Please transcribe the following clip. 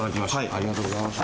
ありがとうございます。